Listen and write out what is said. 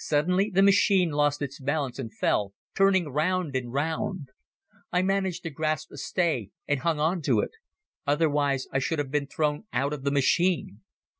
Suddenly the machine lost its balance and fell, turning round and round. I managed to grasp a stay and hung on to it. Otherwise I should have been thrown out of the machine.